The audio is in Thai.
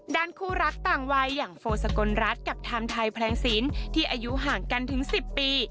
ด้านคู่รักต่างวัยอย่างโฟสกลรัฐกับไทม์ไทยแพลงศิลป์ที่อายุห่างกันถึง๑๐ปี